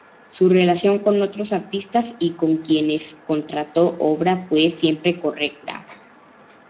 Su relación con otros artistas y con quienes contrató obra fue siempre correcta.